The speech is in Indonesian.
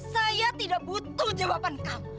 saya tidak butuh jawaban kamu